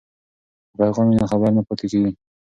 که پیغام وي نو خبر نه پاتې کیږي.